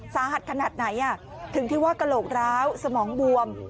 สาหัสขนาดไหนถึงที่ว่ากระโหลกร้าวสมองบวม